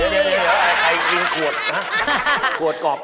เดี๋ยวใครกินขวดนะขวดกรอบ